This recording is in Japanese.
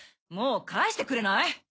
もう帰してくれない！？